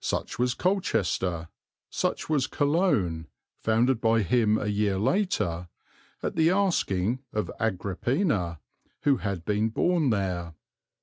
Such was Colchester; such was Cologne, founded by him a year later at the asking of Agrippina, who had been born there.